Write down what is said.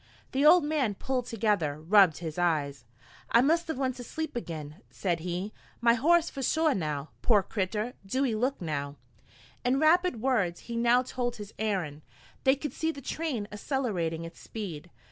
The old man pulled together, rubbed his eyes. "I must of went to sleep agin," said he. "My horse pshaw now, pore critter, do ee look now!" In rapid words he now told his errand. They could see the train accelerating its speed.